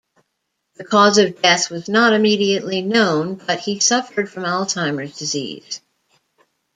The cause of death was not immediately known but he suffered from Alzheimers' disease.